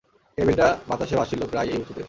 টেবিলটা বাতাসে ভাসছিল, প্রায় এই উঁচুতে!